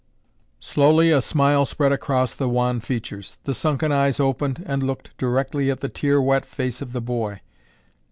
Slowly a smile spread over the wan features. The sunken eyes opened and looked directly at the tear wet face of the boy.